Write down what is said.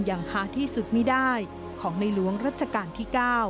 อย่างหาที่สุดไม่ได้ของในหลวงรัชกาลที่๙